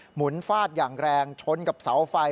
หุนฟาดอย่างแรงชนกับเสาไฟ